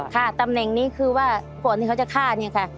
ค่ะตำแหน่งนี้คือว่าก่อนที่เขาจะฆ่าเนี่ยค่ะ